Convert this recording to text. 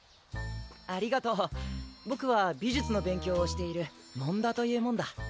ありがとうボクは美術の勉強をしている紋田というもんだ